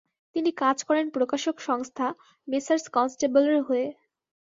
তিনি কাজ করেন প্রকাশক সংস্থা মেসার্স কনস্টেবলের হয়ে।